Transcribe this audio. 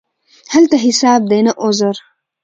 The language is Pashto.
هلته حساب دی، نه عذر.